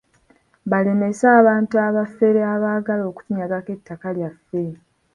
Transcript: Balemese abantu abafere abaagala okutunyagako ettaka lyaffe.